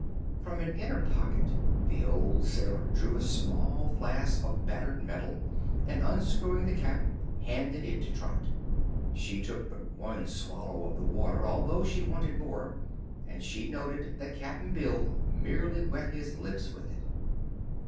From an inner pocket the sailor drew a small flask of battered metal and unscrewing the cap handed it to Trot. She took but one swallow of the water although she wanted more, and she noticed that Cap'n Bill merely wet his lips with it.